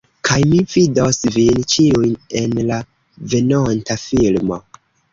Kaj mi vidos vin ĉiujn en la venonta filmo